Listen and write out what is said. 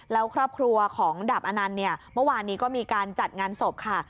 แล้วครอบครัวของดาบอนันต์เนี่ยเมื่อวานนี้ก็มีการจัดงานศพค่ะ